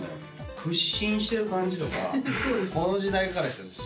屈伸してる感じとかこの時代からしたらすごい。